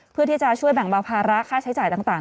เพื่อที่จะช่วยแบ่งเบาภาระค่าใช้จ่ายต่าง